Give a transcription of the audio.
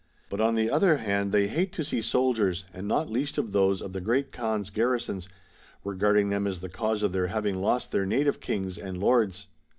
But on the other hand they hate to see soldiers, and not least those of the Great Kaan's garrisons, regarding them as the cause of their having lost their native kings and lords.